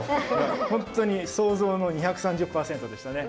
本当に想像の２３０％でしたね。